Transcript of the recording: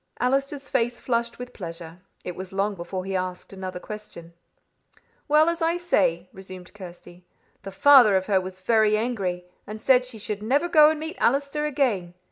Allister's face flushed with pleasure. It was long before he asked another question. "Well, as I say," resumed Kirsty, "the father of her was very angry, and said she should never go and meet Allister again.